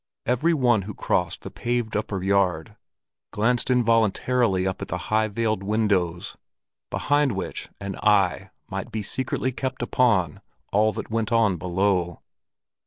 Every one who crossed the paved upper yard, glanced involuntarily up at the high veiled windows, behind which an eye might secretly be kept upon all that went on below.